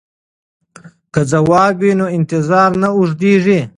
که ځواب وي نو انتظار نه اوږدیږي.